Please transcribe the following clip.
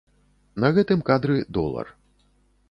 На гэтым кадры долар.